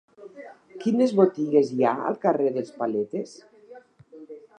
Quines botigues hi ha al carrer dels Paletes?